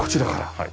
はい。